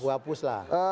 bambu apus lah